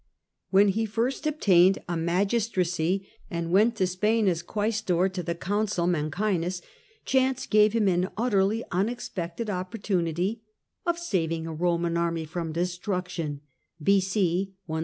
When he first obtained a magistracy and went to Spain as quaestor to the Consul Mancinus, chance gave him an utterly unexpected opportunity of saving a Eoman army from destruction (b.C. 137).